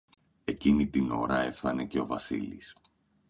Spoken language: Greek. Εκείνη την ώρα έφθανε και ο Βασίλης